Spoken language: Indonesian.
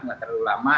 gak terlalu lama